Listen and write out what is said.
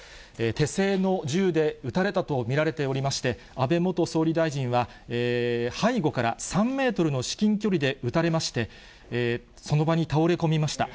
手製の銃で撃たれたと見られておりまして、安倍元総理大臣は、背後から３メートルの至近距離で撃たれまして、その場に倒れ込みました。